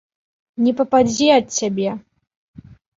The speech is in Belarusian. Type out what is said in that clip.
Не пападзе ад цябе!